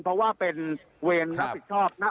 เพราะว่าเป็นเวรรับผิดชอบนะ